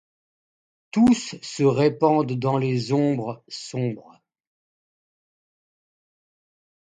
Tous se répandent dans les ombres, Sombres